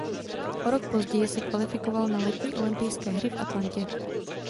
O rok později se kvalifikoval na letní olympijské hry v Atlantě.